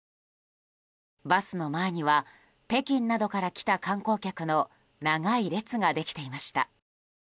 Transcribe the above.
バスの前には北京などから来た観光客の長い列ができていました。